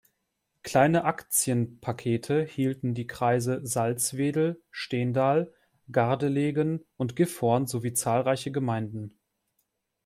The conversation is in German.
Kleine Aktienpakete hielten die Kreise Salzwedel, Stendal, Gardelegen und Gifhorn sowie zahlreiche Gemeinden.